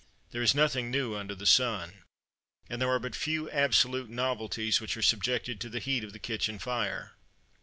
There is nothing new under the sun; and there are but few absolute novelties which are subjected to the heat of the kitchen fire.